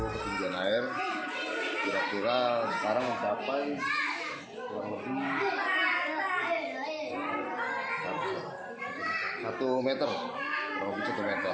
ketumbuhan air kira kira sekarang mencapai satu meter